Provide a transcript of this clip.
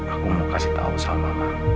aku mau kasih tahu sama